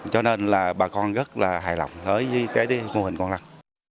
cho nên là bà con rất là hài lòng với cái mô hình con lăn